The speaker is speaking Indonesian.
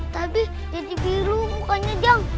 tapi jadi biru mukanya jauh